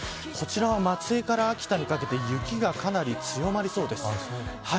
こちらは、松江から秋田にかけて雪がかなり強まりそうです。